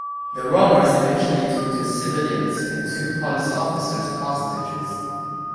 The robbers eventually took two civilians and two police officers hostages.